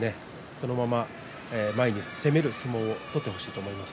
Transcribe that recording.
そのまま前に攻める相撲を取ってほしいと思います。